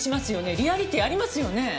リアリティーありますよね？